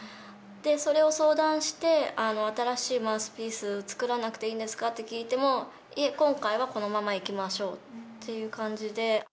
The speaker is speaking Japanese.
それを相談して、新しいマウスピース作らなくていいんですかって聞いても、いえ、今回はこのままいきましょうっていう感じで。